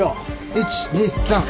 １２３！